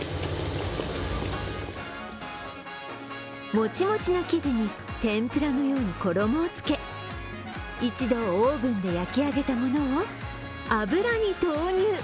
もちもちな生地に天ぷらのように衣をつけ、一度オーブンで焼き上げたものを油に投入。